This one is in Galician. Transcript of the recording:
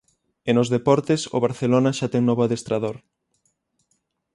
E nos deportes, o Barcelona xa ten novo adestrador.